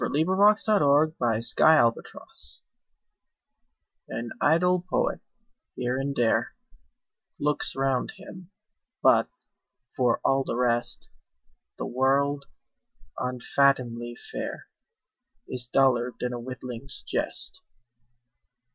Coventry Patmore The Revelation AN idle poet, here and there, Looks round him, but, for all the rest, The world, unfathomably fair, Is duller than a witling's jest.